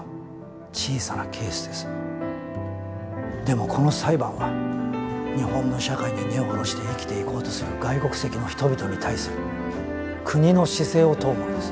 でもこの裁判は日本の社会に根を下ろして生きていこうとする外国籍の人々に対する国の姿勢を問うものです。